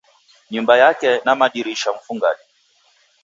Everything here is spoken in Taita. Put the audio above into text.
Nyumba yeka na madirisha mfungade